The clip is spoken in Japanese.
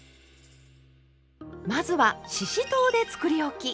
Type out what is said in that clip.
まずはししとうでつくりおき！